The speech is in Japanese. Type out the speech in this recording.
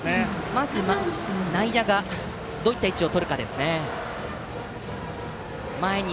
まず、内野がどういった位置をとるか。